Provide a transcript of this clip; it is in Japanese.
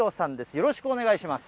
よろしくお願いします。